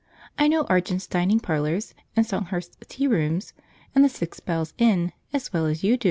I know Argent's Dining Parlours, and Songhurst's Tea Rooms, and the Six Bells Inn, as well as you do."